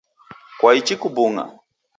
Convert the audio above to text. Kwaichi kubung’a?.